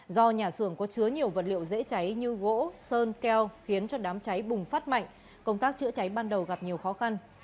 do nhà xưởng có chứa nhiều vật liệu dễ cháy như gỗ sơn keo khiến cho đám cháy bùng phát mạnh công tác chữa cháy ban đầu gặp nhiều khó khăn